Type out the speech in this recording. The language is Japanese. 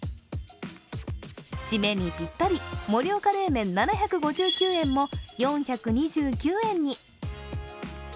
締めにぴったり、盛岡冷麺７５９円も４２９円に。